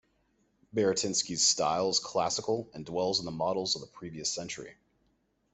Baratynsky's style is classical and dwells on the models of the previous century.